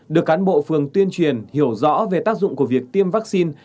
được cán bộ phường tuyên truyền hiểu rõ về tác dụng của việc tiêm vaccine